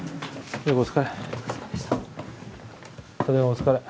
お疲れ。